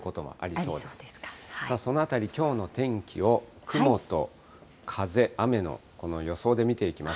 そのあたり、きょうの天気を雲と風、雨のこの予想で見ていきます。